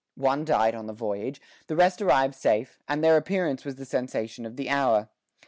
One died on the voyage; the rest arrived safe, and their appearance was the sensation of the hour.